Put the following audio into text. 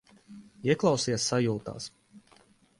Ieklausies sajūtās.